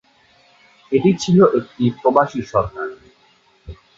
এটি ছিল একটি প্রবাসী সরকার।